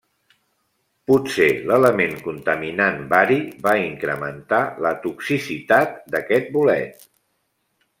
Potser l'element contaminant bari va incrementar la toxicitat d'aquest bolet.